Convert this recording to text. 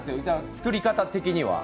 作り方的には。